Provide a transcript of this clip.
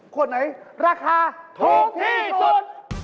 ขวดไหนราคาถูกที่สุด